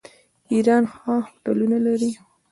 ایران ښه هوټلونه لري.